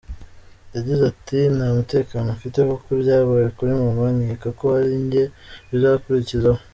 Yagize ati “Nta mutekano mfite kuko ibyabaye kuri mama nkeka ko ari njye bizakurikizaho.